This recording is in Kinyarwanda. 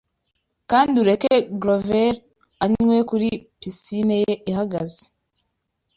Kandi ureke groveller anywe kuri pisine ye ihagaze